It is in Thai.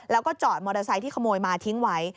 แล้วก็จอดมอเตอร์ไซค์ที่ขโมยมาทิ้งไว้